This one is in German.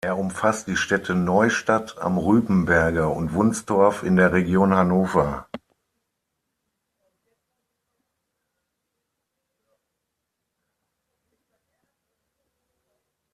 Er umfasst die Städte Neustadt am Rübenberge und Wunstorf in der Region Hannover.